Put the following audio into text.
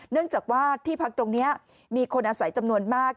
เนื่องจากว่าที่พักตรงนี้มีคนอาศัยจำนวนมาก